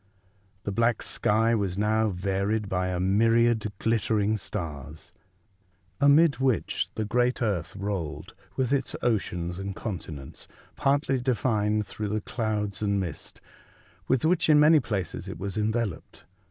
The black sky was now varied by a myriad glittering stars, amid which the great earth rolled with its oceans and continents partly defined through the clouds and mist, with which, in many places, it was enveloped.